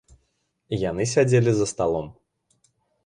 Яны сядзелі за сталом.